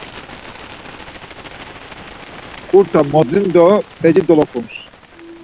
Ǩurta modzin do p̌eci dolokuns.